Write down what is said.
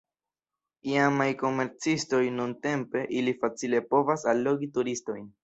Iamaj komercistoj, nuntempe, ili facile povas allogi turistojn.